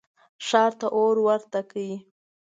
ښار ته اور ورته کئ.